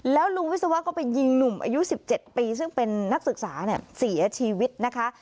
แล้วลุงวิศวะก็ไปยิงหนุ่มอายุ๑๗ปีซึ่งเป็นนักศึกษาเสียชีวิตนะคะ